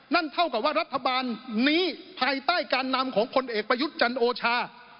นั่นเท่ากับว่ารัฐบาลนี้ภายใต้การนำของผลเอกประยุทธ์จันโอชา